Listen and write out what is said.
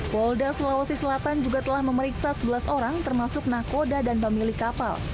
polda sulawesi selatan juga telah memeriksa sebelas orang termasuk nakoda dan pemilik kapal